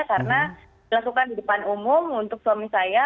karena dilakukan di depan umum untuk suami saya